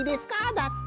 だって。